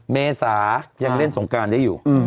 เมษายังเล่นสงการได้อยู่